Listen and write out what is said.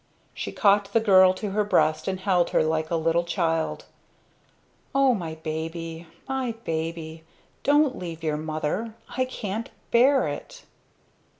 She caught the girl to her breast and held her like a little child. "O my baby! my baby! Don't leave your mother. I can't bear it!"